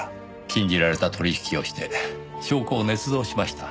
禁じられた取引をして証拠をねつ造しました。